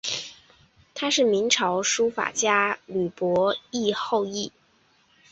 她是明朝书法家吕伯懿后裔。